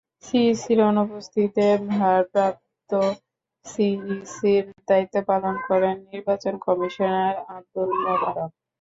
সিইসির অনুপস্থিতিতে ভারপ্রাপ্ত সিইসির দায়িত্ব পালন করেন নির্বাচন কমিশনার আবদুল মোবারক।